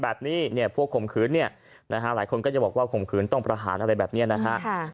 แบบนี้พวกข่มขืนหลายคนก็จะบอกว่าข่มขืนต้องประหารอะไรแบบนี้นะคะ